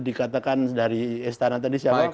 dikatakan dari istana tadi siapa